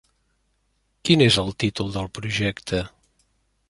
Quin és el títol del projecte?